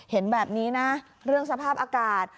เห็นแบบนี้นะเรื่องสภาพอากาศ